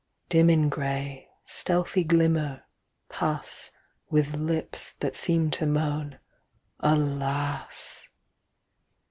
Dim in gray, stealthy glimmer, pass With lips that seem to moan "Alas."